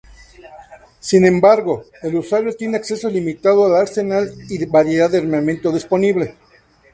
Sin embargo, el usuario tiene acceso limitado al arsenal y variedad de armamento disponible.